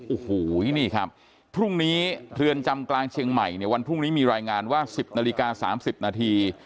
โอ้โหนี่ครับพรุ่งนี้เรือนจำกลางเชียงใหม่เนี่ยวันพรุ่งนี้มีรายงานว่า๑๐นาฬิกา๓๐นาที